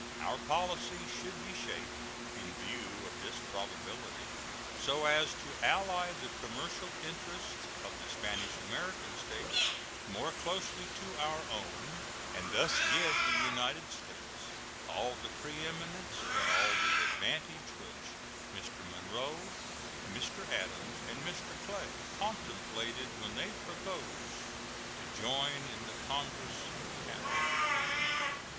Our policy should be shaped, in view of this probability, so as to ally the commercial interests of the Spanish American States more closely to our own, and thus give the United States all the preeminence and all the advantage which Mr. Monroe, Mr. Adams, and Mr. Clay contemplated when they proposed to join in the congress of Panama.